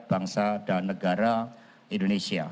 bangsa dan negara indonesia